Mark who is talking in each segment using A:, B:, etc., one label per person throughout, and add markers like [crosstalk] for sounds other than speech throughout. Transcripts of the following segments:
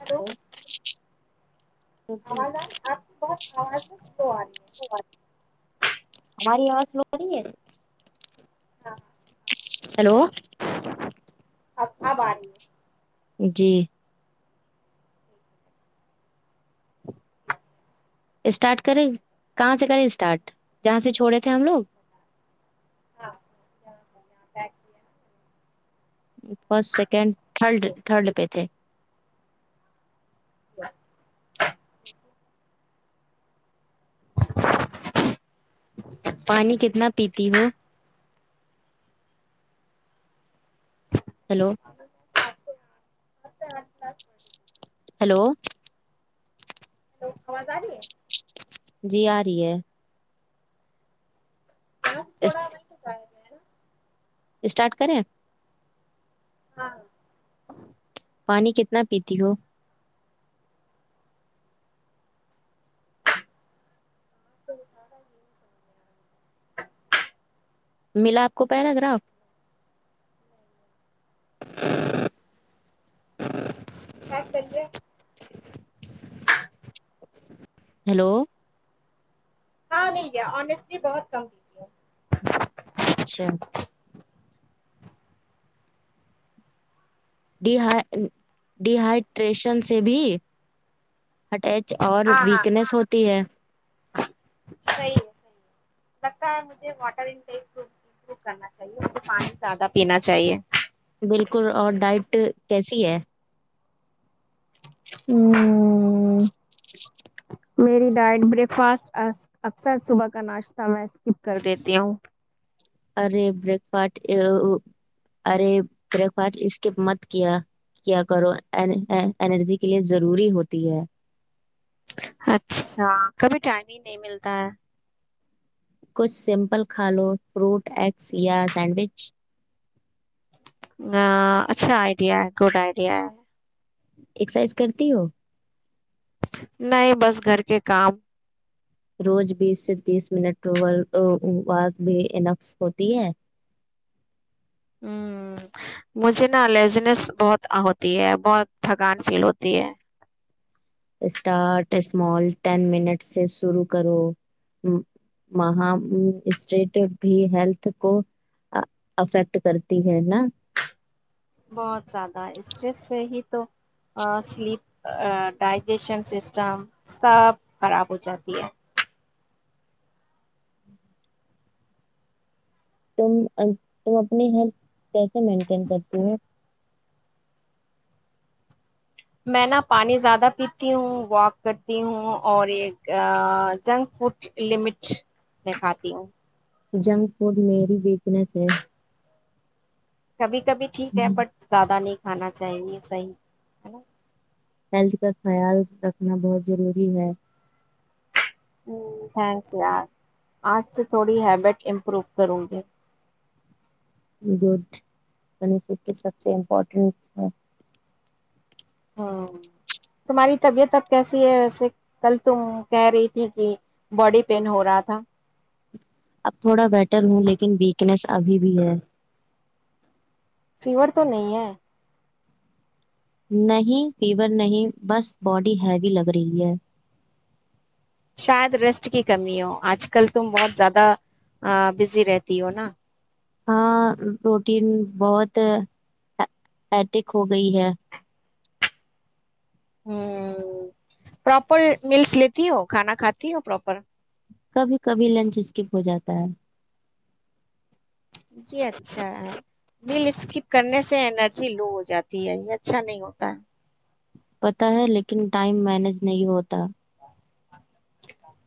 A: hello
B: ہل [inaudible]
A: آواز آ آپ بہت ہاں تو تو آ [unintelligible]
B: ہماری آواز سلو رہی ہے
A: ہاں آپ کی سلو ہو رہی
B: ہیلو
A: ہے اب اب آ رہی ہے
B: جی اسٹارٹ کریں کہاں سے کریں اسٹارٹ جہاں سے چھوڑے تھے ہم لوگ
A: ہاں یہاں سے یہاں بیک کیا
B: فرسٹ سیکنڈ تھرڈ
A: نا، یہ
B: تھرڈ پہ تھے پانی کتنا پیتی ہو ہیلو
A: چ آ کس پ [unintelligible]
B: ہلو
A: و آواز آ رہی ہے
B: جی آ رہی ہے
A: تھوڑا شک ہے نا
B: اسٹارٹ کریں
A: ہاں
B: پانی کتنا پیتی ہو
A: س کاارا [unintelligible]
B: ملا کو پیراگراف ا [inaudible]
A: آ سے
B: ہیلو
A: ہاں مل گیا آنیسٹلی بہت کم دیتی ہے
B: اچھا ڈ ڈ ہائڈریشن سے بھی ہٹیچ اور
A: ہاں ہاں
B: ویکنیس ہوتی ہے
A: صحیح ہے صحیح ہے لگتا ہے مجھے واٹر ان کرنا چاہیے مجے پانی زیادہ پینا چاہیے
B: بالکل اور ڈائٹ کیسی ہے
A: ہ میری ڈائٹ بریک فاسٹ اکثر صبح کا ناشتہ میں اسکپ کر دیتی ہوں
B: ارے بریک فاسٹ ارے بریک فاسٹ اس کے مت کیا کیا کرو ارجی کے لیے ضروری ہوتی ہے
A: اچھا کبھی ٹائم ہی نہیں ملتا ہے
B: کچھ سمپل کھا لو فروٹ ایگس یا سینڈوچ
A: ا اچھا آئیڈیا ہے گڈ آئیڈیا ہے
B: ایکسرسائز کرتی ہو
A: نہیں بس گھر کے کام
B: روز بیس سے تیس منٹ و بھی انقس ہوتی ہے
A: ہ مجھے نا لیزنیس بہت ہوتی ہے بہت تھکان فیل ہوتی ہے
B: اسٹارٹ اسمال ٹین منٹ سے شرو کرو م اسٹیٹ بھی ہیلتھ کو افیکٹ کرتی ہے نا
A: بہت زیادہ اسٹریس سے ہی تو سلیپ ڈائجیشن سسٹم سب خراب ہو جاتی ہے
B: تم تم اپنی ہیلھ کیسے مینٹین کرتی ہو
A: میں نا پانی زیادہ پیتی ہوں واک کرتی ہوں اور ایک جنک فوڈ لمٹ میں کھاتی ہوں
B: جنک فوڈ میری ویکنس ہے
A: کبھی کبھی ٹھیک ہے بٹ زیادہ نہیں کانا چاہیے صحیح ہے نا
B: ہیلتھ کا خیال رکھنا بہت ضروری ہے
A: ہ تھھینکس یار آج تو تھوڑی ہیبٹ امپروو کروں گی
B: گڈ یعنی س کے سب سے امپورٹنٹ ہے
A: ہ تمہاری طبیعت اب کیسی ہے ویسے کل تم کہہ رہی تھی کہ باڈی پین ہو رہا تھا
B: اب تھوڑا بیٹر ہوں لیکن ویکنیس ابھی بھی ہے
A: ا تو نہیں ہے
B: نہیں فیور نہیں بس باڈی ہیوی لگ رہی ہے
A: شاید ریسٹ کی کمی ہو آج کل تم بہت زیادہ بزی رہتی ہو نا
B: ہاں روٹین بہت ا ایتک ہو گئی ہے
A: ہ پراپر میلس لیتی ہو کھانا کھاتی ہو پراپر
B: کبھی کبھی لنچ اسکپ ہو جاتا ہے
A: یہ اچھا ہے مل اسکپ کرنے سے انرجی لو ہو جاتی ہے یہ اچھا نہیں ہوتا ہے
B: پتہ ہے لیکن ٹائم مینج نہیں ہوتا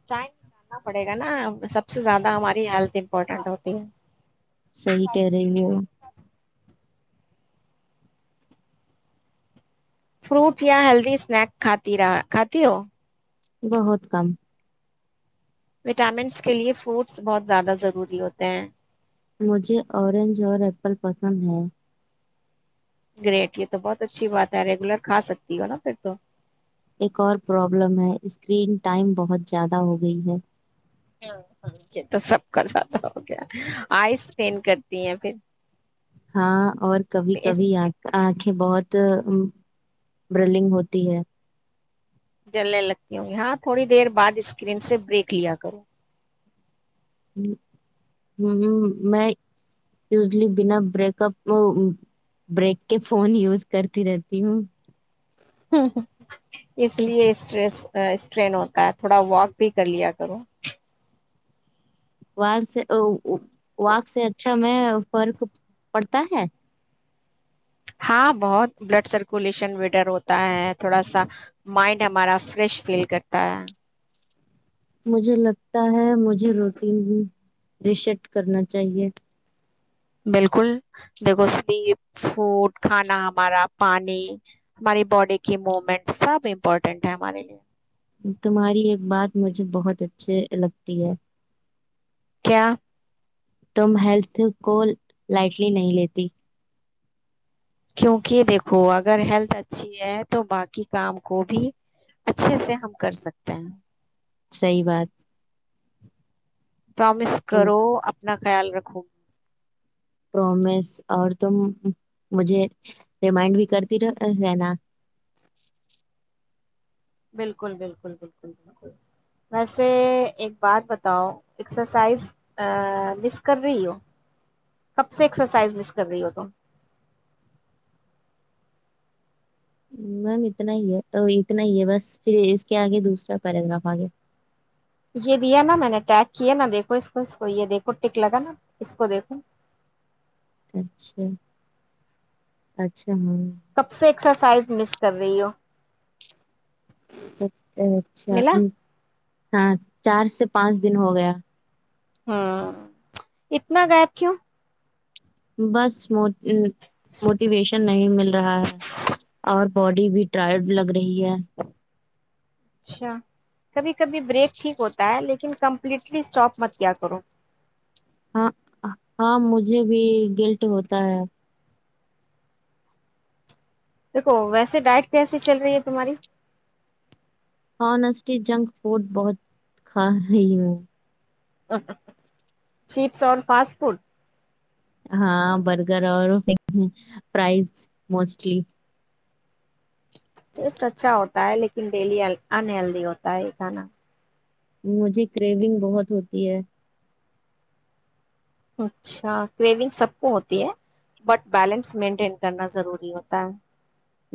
A: چائےگاننا پڑے گا نا سب سے زیادہ ہماری ہیلتھ امپورٹنٹ ہوتی ہے
B: صحیح کہہ رہی ہ
A: فروٹ یا ہیلدی اسنیک کاتتی رہا کھات ہو
B: بہت کم
A: وٹامنس کے لیے فروٹس بہت زیادہ ضروری ہوتے ہیں
B: مجھے اورینج اور ایپل پسند ن ہ
A: گریٹ تو بہت اچھی بات ہے ریگولر کھا سکتی ہو نا پھر تو
B: ایک اور پرابلم ہے اسکرین ٹائم بہت زیادہ ہو گئی ہے
A: جاتا ہو کیا آئیپین کرتی ہیں پھر
B: ہاں اور کبھی کبھی آنکھیں بہت برلنگ ہوتی ہے
A: جلنے لگتی ہوں ہاں تھوڑی دیر بعد اسکرین سے بریک لیا کروں
B: ہ میں وزلی بنا بریک اپ بریک کے فون یوز کرتی رہتی ہوں
A: ہ اس لیے اسٹریس اسٹرین ہوتا ہے تھوڑا واک بھی کر لیا کروں
B: و سے وق سے اچھا میں فرق پڑتا ہے
A: ہاں بہت بلڈ سرکولیشن وٹر ہوتا ہے تھوڑا سا مائنڈ ہمارا فریش فیل کرتا ہے
B: مجھے لگتا ہے مجھے روٹین رشٹ کرنا چاہیے
A: بالکل دیکھو سلیپ فوڈ کھانا ہمارا پانی ہماری باڈی کی موومنٹ سب امپورٹینٹ ہے ہمارے لیے
B: تمہاری ایک بات مجھے بہت اچھے لگتی ہے
A: کیا
B: تم ہیلتھ کو لائٹلی نہیں لیتی
A: کیونکہ دیکھو اگر ہیلتھ اچھی ہے تو باقی کام کو بھی اچھے سے ہم کر سکتے ہیں
B: صحی بات
A: پرومس
B: ٹرو
A: کرو اتنا خیال رکھوں
B: پرومس اور تم مجھے ریمائنڈ بھی کرتی رہنا
A: بالکل بالکل بالکل بالکل ویسے ایک بات بتاؤ ایکسرسائز ا مس کر رہی ہو کب سے ایکسرسائز مس کر رہی ہو تم
B: میم اتنا ہی ہے اتنا ہی ہے بس پھر اس کے آگے دوسرا پیراگراف آگے
A: یہ دیا نا میں نےٹیک کیا نا دیکھو اس کو اس کو یہ دیکھو ٹک لگا نا اس کو دیکھو
B: اچھا اچھا ہاں
A: کب سے ایکسرسائز مس کر رہی ہو
B: اچ اچھا
A: ملا
B: ہ ہاں چار سے پانچ دن ہو گیا
A: ہاں اتنا غائب کیوں
B: بس موٹیویشن نہیں مل رہا ہے اور باڈی بھی ٹائڈ لگ رہی ہے
A: اچھا کبھی کبھی بریک ٹھیک ہوتا ہے لیکن لیکن کمپلیٹلی اسٹاپ مت کیا کروں
B: ہاں ہاں مجھے بھی گلٹ ہوتا ہے
A: دیکھو ویسے ڈائٹ کیسی چل رہی ہے تمہاری
B: ہنیسٹی جنک فوڈ بہت کھا رہی ہوں
A: چیپس اور فاسٹ فڈ
B: ہاں برگر اور فز موسٹلی
A: ٹیسٹ اچھا ہوتا ہے لیکن ڈیلی انہلدی ہوتا ہے یہ کھانا
B: مجھے کریونگ بہت ہوتی ہے
A: اچھا کریونگ سب کو ہوتی ہے بٹ بیلنس مینٹین کرنا ضروری ہوتا ہے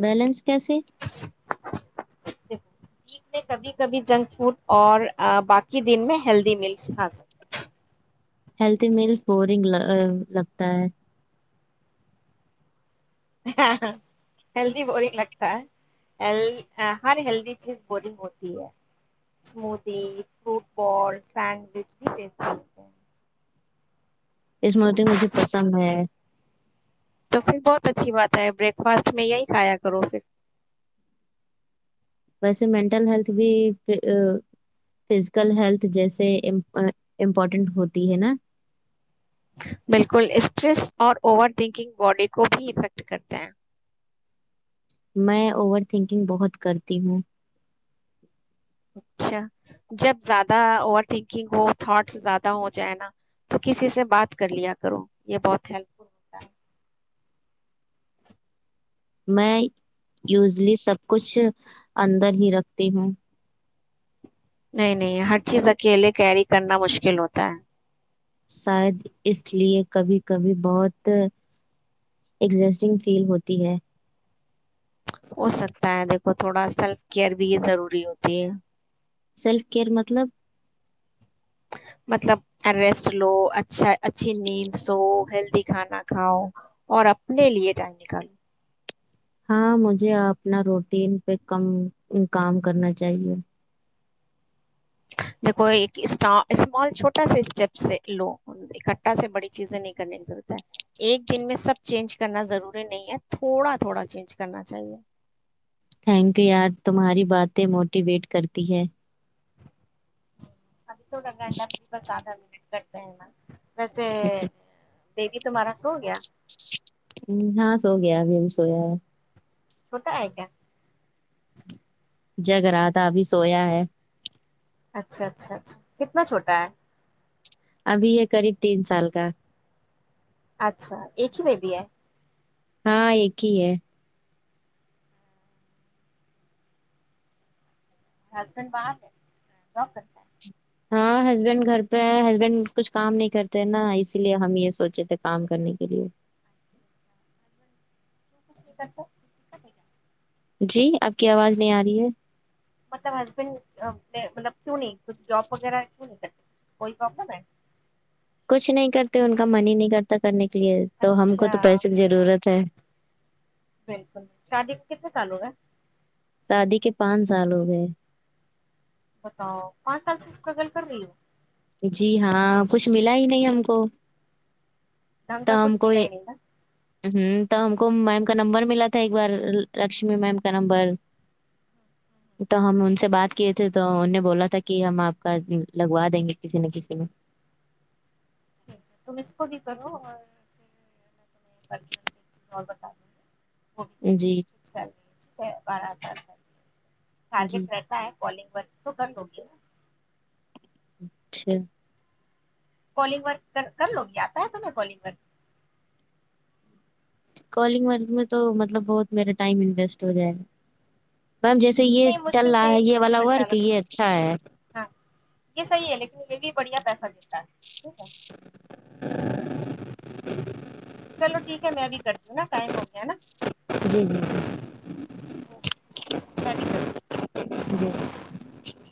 B: بیلنس کیسے
A: ھیک میں کبھی کبھی جنک فوڈ اور باقی دن میں ہیلدی ملس کھا سکتے ہیں
B: ہیلتھی میلز بورنگ لگتا ہے
A: ہیلدی بورگ لگتا ہے ہر ہیلدی چیز بورگ ہوتی ہے اسمی فوٹ ب سینڈوچ بھی ٹیٹی ہوتے ہیں
B: اس مرت مجھے پسند ہے
A: تو پھر بہت اچھی بات ہے بریکفاسٹ میں یہی کھایا کروں پھر
B: ویسے مینٹل ہیلتھ بھی فزیکل ہیلت جیس امپورٹینٹ ہوتی ہے نا
A: بالکل اسٹریس اور اوور تھنکنگ باڈی کو بھی افیکٹ کرتے ہیں
B: میں اوور تھنکنگ بہت کرتی ہوں
A: اچھا جب زیادہ اوور تھنکنگ ہو تھٹس زیادہ ہو جائے نا تو کسی سے بات کر لیا کرو یہ بہت ہیلپ فل ہوتا ہے
B: میں یوزلی سب کچھ اندر ہی رکھتی ہوں
A: نہیں نہیں ہر چیز اکیلے کیری کرنا مشکل ہوتا ہے
B: شاید اس لے کبھی کبھی بہت ایگزسٹنگ فیل ہوتی ہے
A: ہو سکتا ہے دیکھو تھوڑا سیلف کیئر بھی ضروری ہوتی ہے
B: سیلف کیئر مطلب
A: مطلب ریسٹ لو اچھا اچھی نیند سو ہیلدی کھانا کھاؤ اور اپنے لیے ٹائم نکالو
B: ہاں مجھے اپنا روٹین پہ کم کام کرنا چاہیے
A: دیکھو ایک اسمال چھوٹا سا اسٹیپ سے لو اکٹھا سے بڑی چیزیں نہیں کرنے کی ضرورت ہے ایک دن میں سب چینج کرنا ضروری نہیں ہے تھوڑا تھوڑا چینج کرنا چاہیے
B: تھینک یو یار تمہاری باتیں موٹیویٹ کرتی ہے
A: اب تگا سادھار م ا [inaudible] ویسے یہ بھی تمارا
B: ہ ہاں سو گیا ابھی اب تو [inaudible]
A: چوٹا ہے کیا
B: جگ رہا تھا ابھی سویا ہے
A: اچھا اچھا اچھا کتنا چھوٹا ہے
B: ابھی یہ قریب تین سال کا
A: اچھا ایک ہی بیبی ہے
B: ہاں ایک ہی ہے
A: ہسبینڈ باہر ہے جاب کرتا ہے
B: ہاں ہسبینڈ گھر پہ ہے ہسبینڈ کچھ کام نہیں کرتے نا اسی لیے ہم یہ سوچے تھے کام کرنے کے لیے
A: یتا [inaudible]
B: جی آپ کی آواز نہیں آ رہی ہے
A: مطلب ہسبینڈ مب کی نہیں ک جاب وغہ کی نہیں کر کوئی پرلم ہے
B: کچھ نہیں کرتے ان کا من ہی نہیں کرتا کرنے کے تو ہم کو
A: اچھا
B: تو پیسے کی ضرورت ہے
A: بالکل شادی کتنا چالو ہےا
B: شادی کے پانچ سال ہو گئے
A: بتاؤ پانچ سال سے اسٹرگل کر رہی ہو
B: جی ہاں کچھ ملا ہی نہیں ہم کو
A: ڈھنگ
B: ت
A: کا
B: ہم
A: کچھ ملا
B: کوئی
A: ہی نہیں نا
B: ہ ت ہم کو کم میم کا نمبر ملا تھا ایک بار لکشمی میم کا نمبر تو ہم ان سے بات کیے تھے تو ان نے بولا تھا کہ ہم آپ کا لگوا دیں گے [inaudible]
A: ٹھیک تم اس کو بھی کرو اور پس بتا دوں
B: میں جی
A: گی با [inaudible]
B: جی
A: [inaudible] کالنگ و تو کر لگی ن
B: اچھا
A: کالنگ ور کر لو گی آتا ہے تو کالنگ ک
B: کالنگ میں تو مطلب بہت میرا ٹائم انویسٹ ہو جائے گا میم جیسے یہ
A: نہیں
B: چل
A: مشکل سے
B: رہا ہے
A: ایک
B: یہ والا
A: گھنٹہ
B: ورک یہ
A: لگتا
B: اچھا ہے
A: نے بھی بڑھیا پیسہ دتا ہے ٹھیک ہے
B: ہ [inaudible] [inaudible]
A: چلو ٹھیک ہے میں بھی کرتی ہوں نا ٹائم ہو گیا ہے نا
B: جی جی جی
A: ساری س
B: کود